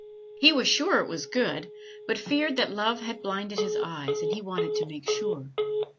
He was sure it was good, but feared that love had blinded his eyes, and he wanted to make sure.